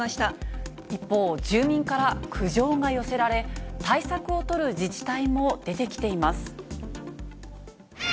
一方、住民から苦情が寄せられ、対策を取る自治体も出てきています。